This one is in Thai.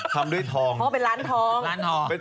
ทำด้วยทองเพราะเป็นร้านทอง